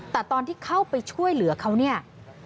แต่ตอนที่เข้าไปช่วยเหลือเขาเนี่ย